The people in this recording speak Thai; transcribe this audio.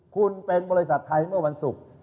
คุณเป็นบริษัทไทยเมื่อวันศุกร์